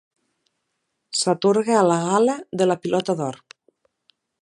S'atorga a la gala de la Pilota d'or.